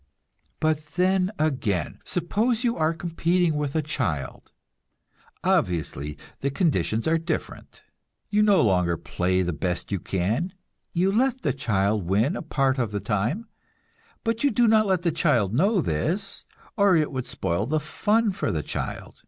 But then again, suppose you are competing with a child; obviously, the conditions are different. You no longer play the best you can, you let the child win a part of the time; but you do not let the child know this, or it would spoil the fun for the child.